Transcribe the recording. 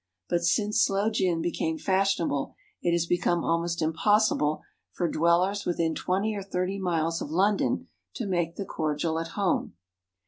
But since sloe gin became fashionable, it has become almost impossible for dwellers within twenty or thirty miles of London to make the cordial at home.